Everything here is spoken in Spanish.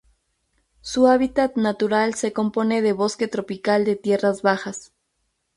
Su hábitat natural se compone de bosque tropical de tierras bajas.